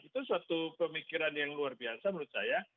itu suatu pemikiran yang luar biasa menurut saya